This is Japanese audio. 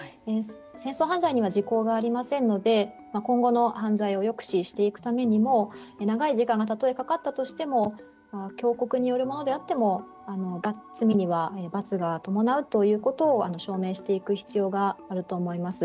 戦争犯罪には時効がありませんので今後の犯罪を抑止していくためにも長い時間がたとえかかったとしても強国によるものであっても罪には罰が伴うということを証明していく必要があると思います。